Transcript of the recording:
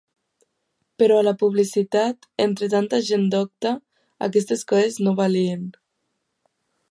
Però a La Publicitat, entre tanta gent docta, aquestes coses no valien!